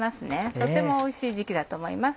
とてもおいしい時期だと思います。